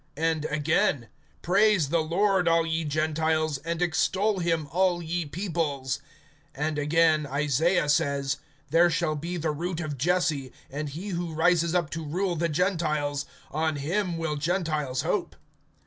(11)And again: Praise the Lord, all ye Gentiles; And extol him, all ye peoples. (12)And again, Isaiah says: There shall be the root of Jesse, And he who rises up to rule the Gentiles; On him will Gentiles hope.